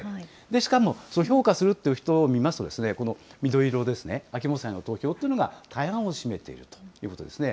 しかも、その評価するという人を見ますと、この緑色ですね、秋元さんへの投票っていうのが大半を占めているということですね。